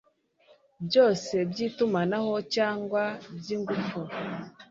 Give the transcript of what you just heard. byose by itumanaho cyangwa by ingufu